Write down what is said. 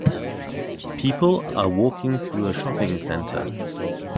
People are walking through a shopping center